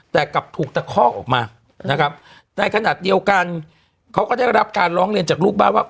แต่กลับถูกตะคอกออกมานะครับในขณะเดียวกันเขาก็ได้รับการร้องเรียนจากลูกบ้านว่า